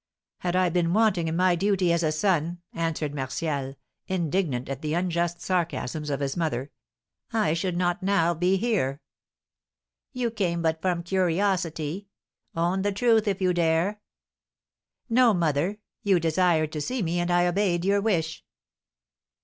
"Had I been wanting in my duty as a son," answered Martial, indignant at the unjust sarcasms of his mother, "I should not now be here." "You came but from curiosity! Own the truth if you dare!" "No, mother! You desired to see me, and I obeyed your wish."